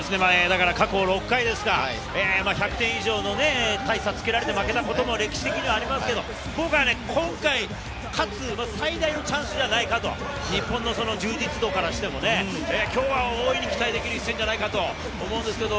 過去６回、１００点以上の大差をつけられて負けたこともありましたが、今回、勝つ最大のチャンスではないかと日本の充実度からしても、今日は大いに期待できる一戦ではないかと思います。